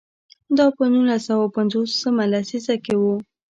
دا په نولس سوه پنځوس مه لسیزه کې و.